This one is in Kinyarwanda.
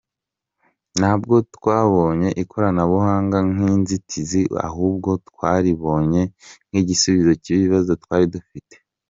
Ntabwo twabonye ikoranabuhanga nk’inzitizi ahubwo twaribonye nk’igisubizo cy’ibibazo twari dufite”.